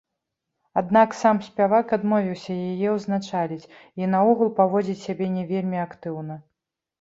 Аднак сам спявак адмовіўся яе ўзначаліць, і наогул паводзіць сябе не вельмі актыўна.